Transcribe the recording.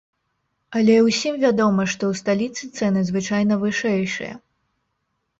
Але ўсім вядома, што ў сталіцы цэны звычайна вышэйшыя.